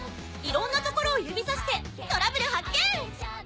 いろんなところを指さしてトラブル発見！